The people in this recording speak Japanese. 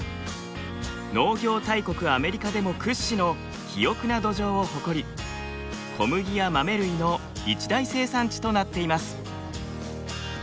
農業大国アメリカでも屈指の肥沃な土壌を誇り小麦や豆類の一大生産地となっています。